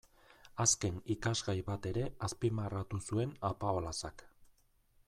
Azken ikasgai bat ere azpimarratu zuen Apaolazak.